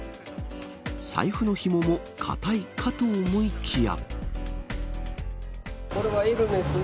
財布のひもも固いかと思いきや。